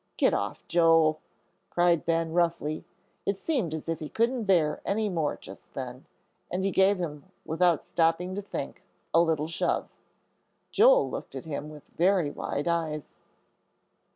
"Get off, Joe!" cried Ben, roughly. It seemed as if he couldn't bear any more just then, and he gave him, without stopping to think, a little shove. Joel looked at him with very wide eyes.